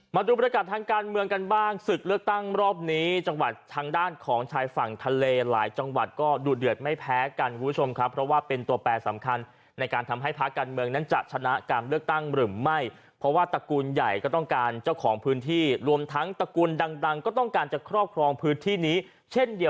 มาดูประกาศทางการเมืองกันบ้างศึกเลือกตั้งรอบนี้จังหวัดทางด้านของชายฝั่งทะเลหลายจังหวัดก็ดูเดือดไม่แพ้กันคุณผู้ชมครับเพราะว่าเป็นตัวแปรสำคัญในการทำให้ภาคการเมืองนั้นจะชนะการเลือกตั้งหรือไม่เพราะว่าตระกูลใหญ่ก็ต้องการเจ้าของพื้นที่รวมทั้งตระกูลดังดังก็ต้องการจะครอบครองพื้นที่นี้เช่นเดียว